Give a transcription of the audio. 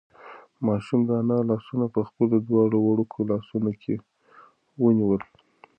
ماشوم د انا لاسونه په خپلو دواړو وړوکو لاسونو کې ونیول.